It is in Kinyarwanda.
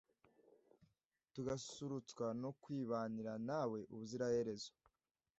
tugasusurutswa no kwibanira nawe ubuziraherezo